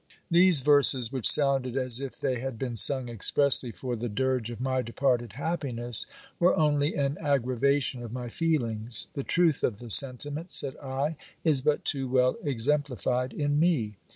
* These verses, which sounded as if they had been sung expressly for the dirge of my departed happiness, were only an aggravation of my feelings. The truth of the sentiment, said I, is but too well exemplified in me.